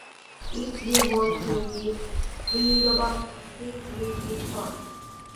If you want to give feedback, please read this first.